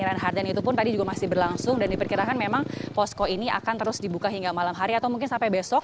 reinhard dan itu pun tadi juga masih berlangsung dan diperkirakan memang posko ini akan terus dibuka hingga malam hari atau mungkin sampai besok